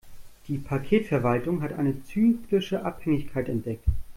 Die Paketverwaltung hat eine zyklische Abhängigkeit entdeckt.